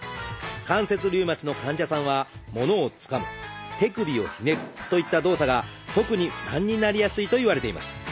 関節リウマチの患者さんは「物をつかむ」「手首をひねる」といった動作が特に負担になりやすいといわれています。